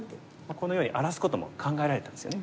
このように荒らすことも考えられたんですよね。